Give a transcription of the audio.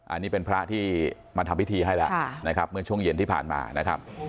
อันนี้เป็นพระที่มาทำพิธีให้แล้วนะครับเมื่อช่วงเย็นที่ผ่านมานะครับ